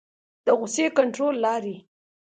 د غصې کنټرول لارې